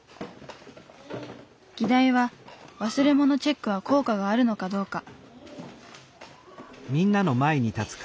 議題は忘れ物チェックは効果があるのかどうか。